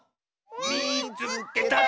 「みいつけた！」。